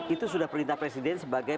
itu sudah perintah presiden sebagai